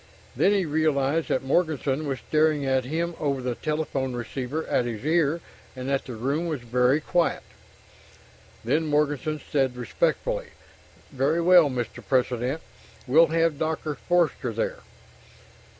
Then he realized that Morganson was staring at him over the telephone receiver at his ear, and that the room was very quiet. Then Morganson said respectfully: "Very well, Mr. President. We'll have Doctor Forster there."